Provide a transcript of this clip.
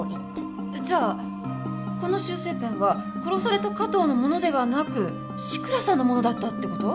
じゃあこの修正ペンは殺された加藤のものではなく志倉さんのものだったって事？